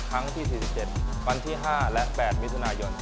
ครั้งที่๔๗วันที่๕และ๘มิถุนายน